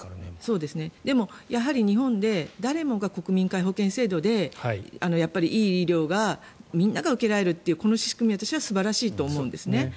やはり日本で誰もが国民皆保険制度でやっぱりいい医療がみんなが受けられるというこの仕組みは私は素晴らしいと思うんですね。